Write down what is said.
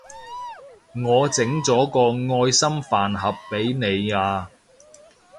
我整咗愛心飯盒畀你啊